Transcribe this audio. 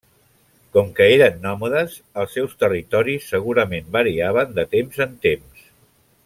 Com que eren nòmades els seus territoris segurament variaven de temps en temps.